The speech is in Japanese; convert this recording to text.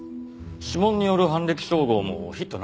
指紋による犯歴照合もヒットなしです。